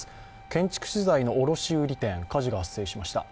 建築資材の卸売店、火事が発生しました。